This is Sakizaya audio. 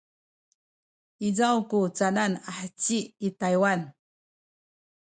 izaw ku canan a heci i Taywan?